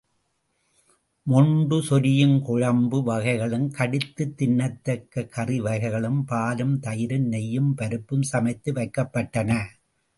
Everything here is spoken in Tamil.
மொண்டு சொரியும் குழம்பு வகைகளும், கடித்துத் தின்னத்தக்க கறிவகைகளும், பாலும், தயிரும், நெய்யும், பருப்பும் சமைத்து வைக்கப்பட்டன.